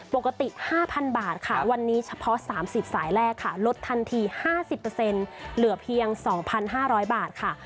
ปกติ๕๐๐บาทค่ะวันนี้เฉพาะ๓๐สายแรกค่ะลดทันที๕๐เหลือเพียง๒๕๐๐บาทค่ะ